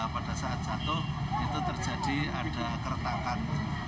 pada saat jatuh itu terjadi ada keretakan